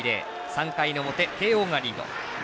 ３回の表、慶応がリード。